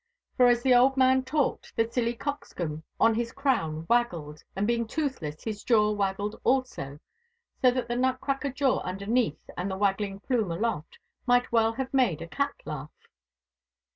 For as the old man talked the silly cockscomb on his crown waggled, and being toothless his jaw waggled also. So that the nut cracker jaw underneath and the waggling plume aloft might well have made a cat laugh.